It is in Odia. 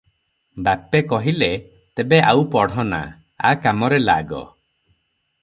"ବାପେ କହିଲେ, "ତେବେ ଆଉ ପଢ ନା, ଆ କାମରେ ଲାଗ ।"